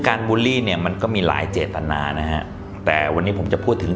บูลลี่เนี่ยมันก็มีหลายเจตนานะฮะแต่วันนี้ผมจะพูดถึง